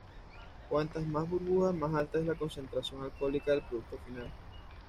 Cuantas más burbujas más alta es la concentración alcohólica del producto final.